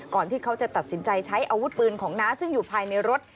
ที่เขาจะตัดสินใจใช้อาวุธปืนของน้าซึ่งอยู่ภายในรถ